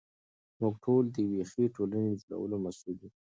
موږ ټول د یوې ښې ټولنې د جوړولو مسوول یو.